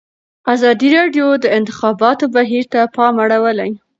ازادي راډیو د د انتخاباتو بهیر ته پام اړولی.